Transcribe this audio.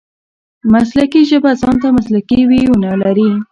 مسلکي ژبه ځان ته مسلکي وییونه لري.